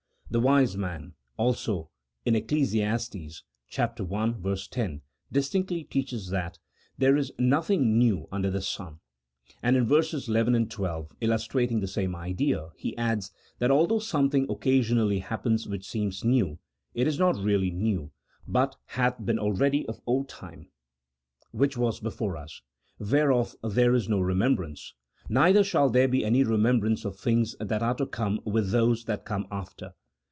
The wise man also, in Eccles. i. 10, distinctly teaches that " there is no thing new under the sun," and in verses 11, 12, illustrating the same idea, he adds that although something occasionally happens which seems new, it is not really new, but " hath been already of old time, which was before us, whereof there is no remembrance, neither shall there be any remembrance of things that are to come with those that come after."